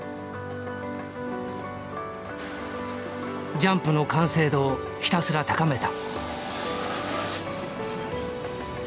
ジャンプの完成度をひたすら高めた。